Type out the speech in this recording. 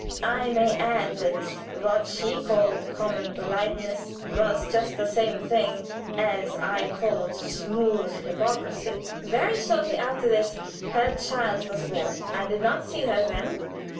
I may add that what she called 'common politeness' was just the same thing that I called smooth hypocrisy. "Very shortly after this her child was born. I did not see her then.